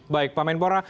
baik pak menpora